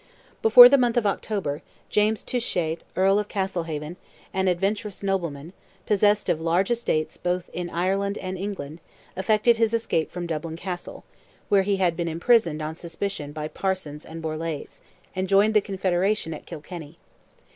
Before the month of October, James Touchet, Earl of Castlehaven, an adventurous nobleman, possessed of large estates both in Ireland and England, effected his escape from Dublin Castle, where he had been imprisoned on suspicion by Parsons and Borlase, and joined the Confederation at Kilkenny.